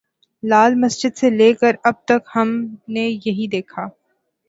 لال مسجد سے لے کر اب تک ہم نے یہی دیکھا۔